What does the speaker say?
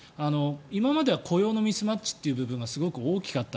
今までは雇用のミスマッチという部分がすごく多かった。